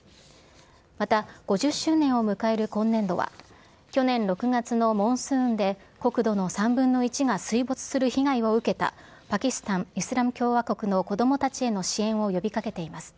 また５０周年を迎える今年度は、去年６月のモンスーンで国土の３分の１が水没する被害を受けた、パキスタン・イスラム共和国の子どもたちへの支援を呼びかけています。